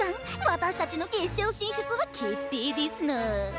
私たちの決勝進出は決定ですの。